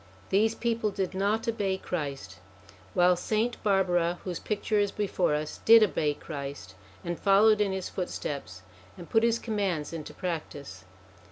These people did not obey Christ, while Saint Barbara, whose picture is before us, did obey Christ, and followed in his footsteps and put his commands into practice.